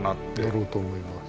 だろうと思います。